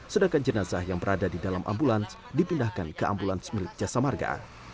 sedangkan jenazah yang berada di dalam ambulans dipindahkan ke ambulans milik jasa marga